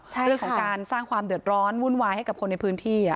เรื่องของการสร้างความเดือดร้อนวุ่นวายให้กับคนในพื้นที่